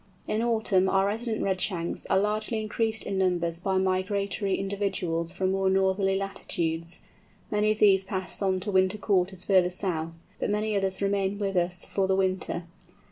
In autumn our resident Redshanks are largely increased in numbers by migratory individuals from more northerly latitudes; many of these pass on to winter quarters further south, but many others remain with us for the winter.